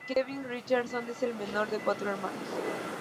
Kevin Richardson es el menor de cuatro hermanos.